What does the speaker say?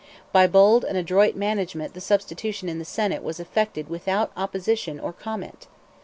By bold and adroit management the substitution in the Senate was effected without opposition or comment.